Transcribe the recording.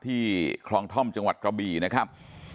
คลองท่อมจังหวัดกระบี่นะครับ